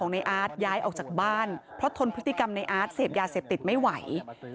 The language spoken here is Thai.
ในอาร์ตเสพยาเสพติดไม่ไหว